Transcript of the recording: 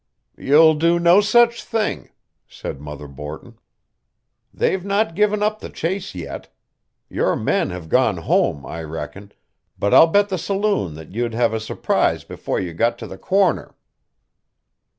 "You'll do no such thing," said Mother Borton. "They've not given up the chase yet. Your men have gone home, I reckon, but I'll bet the saloon that you'd have a surprise before you got to the corner."